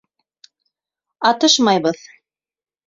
Атышмайбыҙ.